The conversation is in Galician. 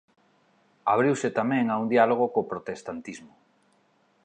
Abriuse tamén a un diálogo co protestantismo.